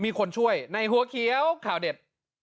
มีคนช่วยในหัวเขียวข่าวเด็ด